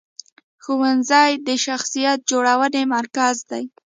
ښوونځی د شخصیت جوړونې مرکز دی.